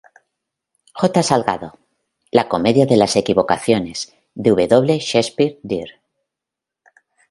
J. Salgado; "La comedia de las equivocaciones" de W. Shakespeare, dir.